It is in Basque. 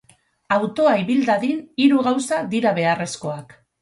Autoa ibil dadin, hiru gauza dira beharrezkoak.